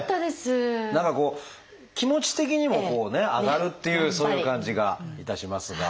何かこう気持ち的にも上がるっていうそういう感じがいたしますが。